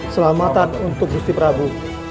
selamatkan untuk gusti prabu